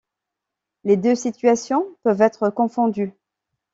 Les deux situations peuvent être confondues.